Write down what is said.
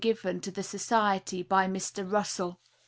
area given to the Society by Mr. Russell.